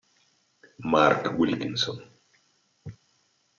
Mark Wilkinson